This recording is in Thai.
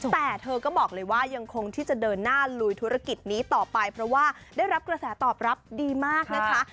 แต่เธอก็บอกเลยว่ายังคงที่จะเดินหน้าลุยธุรกิจนี้ต่อไปเพราะว่าได้รับกระแสตอบรับดีมากนะคะ